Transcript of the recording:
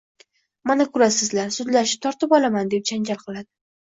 Mana ko`rasizlar sudlashib tortib olaman, deb janjal qiladi